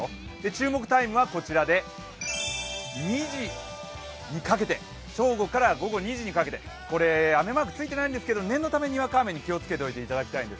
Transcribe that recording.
注目タイムは正午から午後２時にかけて、雨マークついていないんですけど、念のためにわか雨に注意してください。